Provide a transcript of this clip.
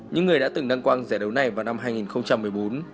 những người đã từng đăng quang giải đấu này vào năm hai nghìn một mươi bốn